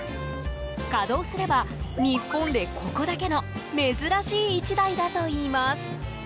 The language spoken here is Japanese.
稼働すれば、日本でここだけの珍しい一台だといいます。